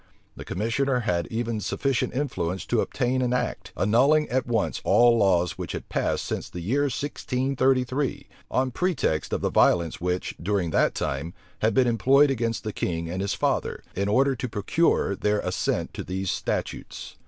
The commissioner had even sufficient influence to obtain an act, annulling at once all laws which had passed since the year 1633; on pretext of the violence which, during that time, had been employed against the king and his father, in order to procure their assent to these statutes.